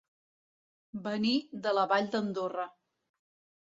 Venir de la Vall d'Andorra.